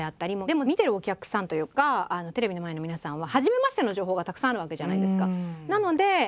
でも見てるお客さんというかテレビの前の皆さんは「初めまして」の情報がたくさんあるわけじゃないですか。